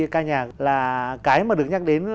ca nhạc là cái mà được nhắc đến